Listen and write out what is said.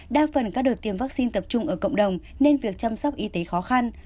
đa phần các đợt tiêm vaccine tập trung ở cộng đồng nên việc chăm sóc y tế khó khăn